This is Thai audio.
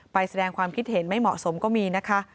แสดงความคิดเห็นไม่เหมาะสมก็มีนะคะ